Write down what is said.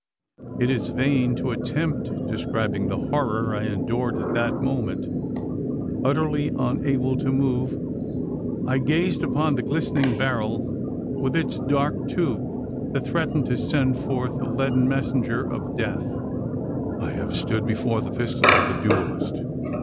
It is vain to attempt describing the horror I endured at that moment. Utterly unable to move, I gazed upon the glistening barrel, with its dark tube, that threatened to send forth the leaden messenger of death. I have stood before the pistol of the duellist.